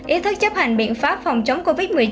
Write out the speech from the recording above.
ý thức chấp hành biện pháp phòng chống covid một mươi chín